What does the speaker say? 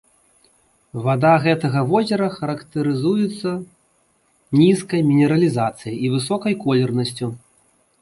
Вада гэтага возера характарызуецца нізкай мінералізацыяй і высокай колернасцю.